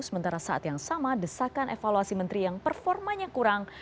sementara saat yang sama desakan evaluasi menteri yang performanya kurang